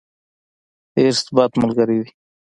حرص، بد ملګری دی.